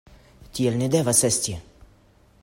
Tiel ne devas esti!